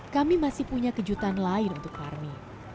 kami masih punya kejutan lain untuk parmi